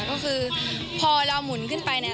ก็คือพอเราหมุนขึ้นไปเนี่ย